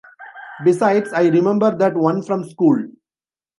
Besides, I remember that one from school.